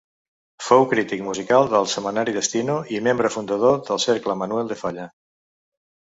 Fou crític musical del setmanari Destino i membre fundador del Cercle Manuel de Falla.